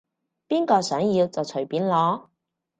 邊個想要就隨便攞